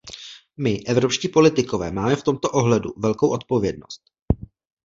My, evropští politikové, máme v tomto ohledu velkou odpovědnost.